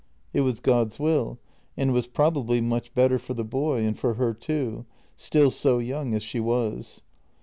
It was God's will, and was probably much better for the boy and for her too — still so young as she was.